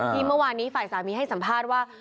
เมื่อวานนี้ฝ่ายสามีให้สัมภาษณ์ว่า